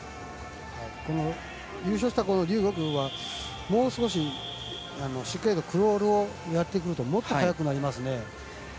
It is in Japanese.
優勝したこの劉玉はもう少し、しっかりとクロールをやってくるともっと速くなりますね。